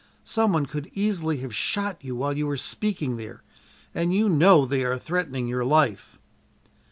Some one could easily have shot you while you were speaking there and you know they are threatening your life!"